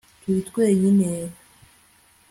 Turi twenyine